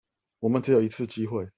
我們只有一次機會